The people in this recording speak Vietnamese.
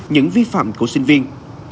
những vi phạm của sinh viên